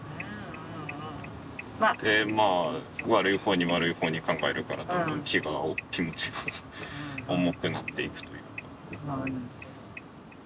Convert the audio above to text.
悪い方に悪い方に考えるからどんどん気持ちが重くなっていくというか。